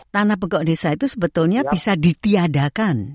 tanah pokok desa itu sebetulnya bisa ditiadakan